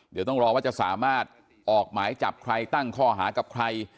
เดี๋ยวต้องรอว่าจะสามารถออกหมายจับใครตั้งข้อหากับใคร